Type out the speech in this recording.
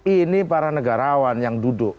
ini para negarawan yang duduk